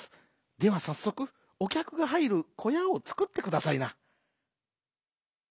ではさっそくおきゃくがはいるこやをつくってくださいな」。